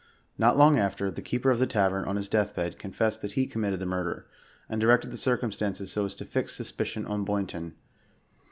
Not long after, the keeper of the tavern, on his death bed, confessed that he com mitted the murder, and directed the circumstances so as to fix suspicion on Boynton.